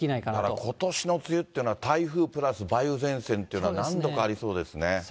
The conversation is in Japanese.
だからことしの梅雨っていうのは、台風プラス梅雨前線というのが何度かありそうですね。